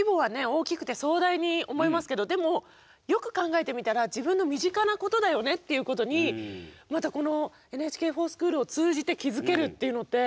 大きくて壮大に思いますけどもでもよく考えてみたら自分の身近なことだよねっていうことにまたこの「ＮＨＫｆｏｒＳｃｈｏｏｌ」を通じて気付けるっていうのって。